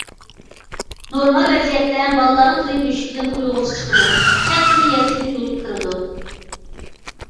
نورمال ۋەزىيەتتە بالىلارنىڭ تىلى بۆشۈكىدىن ئۇيغۇرچە چىقىدۇ، چەت تىلىنى يەسلىدىن ئۆگىنىپ كىرىدۇ.